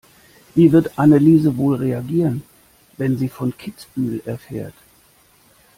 Wie wird Anneliese wohl reagieren, wenn sie von Kitzbühel erfährt?